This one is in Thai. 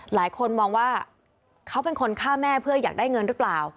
หลายคนมองว่าเขาเป็นคนฆ่าแม่เพื่ออยากได้เงินหรือเปล่า